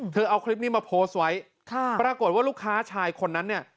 เอาคลิปนี้มาโพสต์ไว้ค่ะปรากฏว่าลูกค้าชายคนนั้นเนี่ย